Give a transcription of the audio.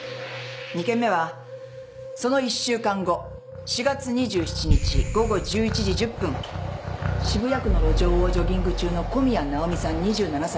２件目はその１週間後４月２７日午後１１時１０分渋谷区の路上をジョギング中の小宮直美さん２７歳。